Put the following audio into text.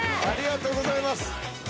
ありがとうございます。